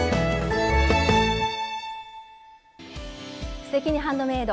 「すてきにハンドメイド」